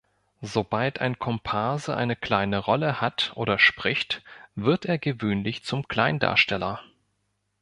Sobald ein Komparse eine kleine Rolle hat oder spricht, wird er gewöhnlich zum Kleindarsteller.